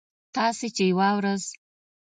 تاسې چې یوه ورځ